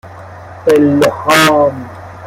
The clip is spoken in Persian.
الهام